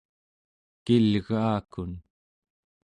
kilgaakun